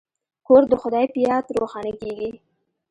کور د خدای په یاد روښانه کیږي.